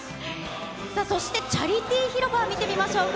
そして、チャリティー広場を見てみましょうか。